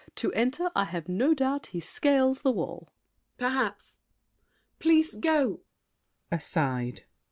To enter, I have no doubt he scales the wall. MARION. Perhaps. Please go! [Aside.